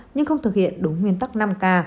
nhưng không thực hiện đúng nguyên tắc năm k